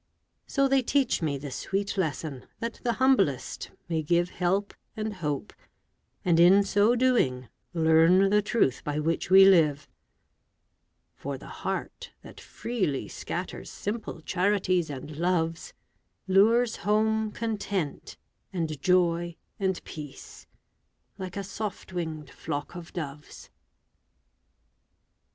So, they teach me the sweet lesson, That the humblest may give Help and hope, and in so doing, Learn the truth by which we live; For the heart that freely scatters Simple charities and loves, Lures home content, and joy, and peace, Like a soft winged flock of doves.